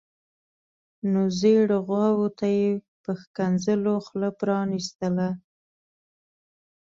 نو زیړو غواوو ته یې په ښکنځلو خوله پرانیستله.